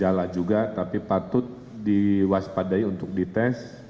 tidak ada gejala juga tapi patut diwaspadai untuk dites